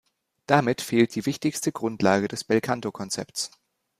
Damit fehlt die wichtigste Grundlage des Belcanto-Konzepts.